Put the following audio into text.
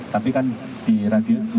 tapi kan di radio